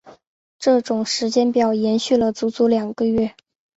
这种时间表延续了足足两个月。